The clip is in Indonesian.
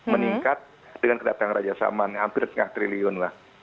meningkat dengan kedatangan raja salman hampir setengah triliun lah